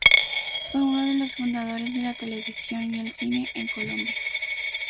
Fue uno de los fundadores de la televisión y el cine en Colombia.